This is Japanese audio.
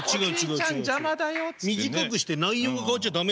短くして内容が変わっちゃ駄目。